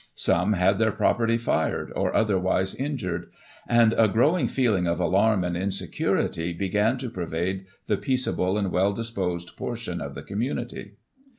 Some had their property fired, or otherwise injured ; and a growing feeling of alarm and insecurity began to pervade the peaceable and well disposed portion of the community.